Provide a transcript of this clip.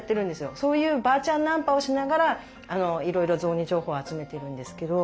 そういうばあちゃんナンパをしながらいろいろ雑煮情報を集めてるんですけど。